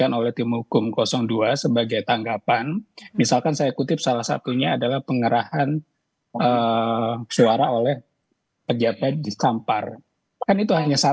yang mendatang tcorongan perberan kepada